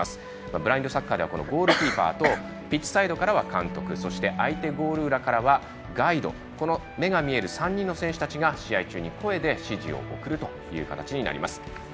ブラインドサッカーではゴールキーパーとピッチサイドからは監督そして、相手ゴール裏からガイドこの目が見える３人の選手たちが試合中に声で指示を送ります。